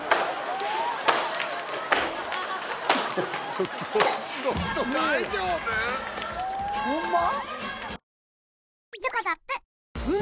ちょっと大丈夫⁉ホンマ